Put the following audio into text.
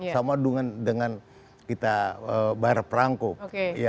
sama dengan kita bayar perangkuk